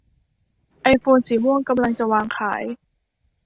ไอโฟนสีม่วงกำลังจะวางขาย